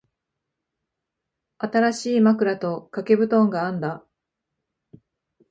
新しい枕と掛け布団があんだ。